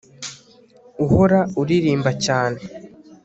uhora uririmba cyane